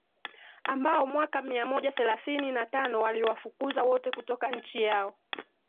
ambao mwaka mia moja thelathini na tano waliwafukuza wote kutoka nchi yao